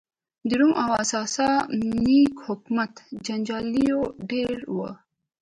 د روم او ساسا ني حکومت جنګیالېیو ډېر وو.